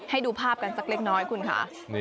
ให้ดูภาพกันสักเล็กน้อยคุณค่ะ